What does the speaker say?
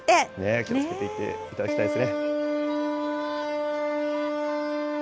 気をつけていっていただきたいですね。